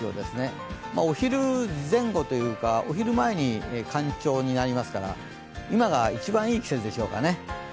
お昼前後というか、お昼前に干潮になりますから、今が一番いい季節でしょうかね